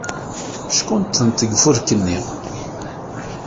Ckunṭḍent deg ufurk-nni.